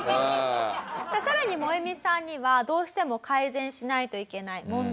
さらにモエミさんにはどうしても改善しないといけない問題点